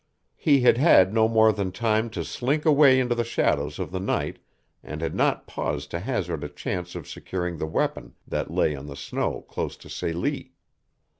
He had had no more than time to slink away into the shadows of the night, and had not paused to hazard a chance of securing the weapon that lay on the snow close to Celie.